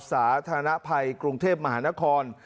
สาธารณภัยกรุงเทพมหานคร